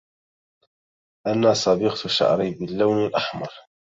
أنا صبغت شعري باللون الأحمر.